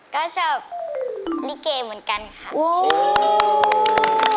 ก็ชอบลิเกเหมือนกันค่ะ